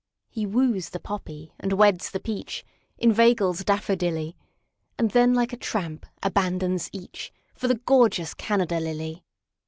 He woos the Poppy and weds the Peach, Inveigles Daffodilly, And then like a tramp abandons eachFor the gorgeous Canada Lily.